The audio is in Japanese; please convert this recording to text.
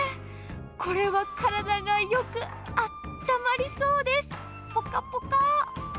これは体がよくあったまりそうです、ぽかぽか。